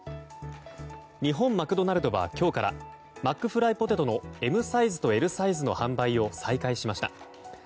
日本マクドナルドは今日からマックフライポテトのＭサイズとＬサイズの販売を再開しました。